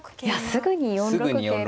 すぐに４六桂と。